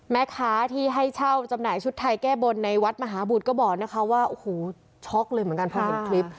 แม่ค้าที่ให้เช่าจำหน่ายชุดไทยแก้บนในวัดมหาบุตรก็บอกนะคะว่าโอ้โหช็อกเลยเหมือนกันพอเห็นคลิป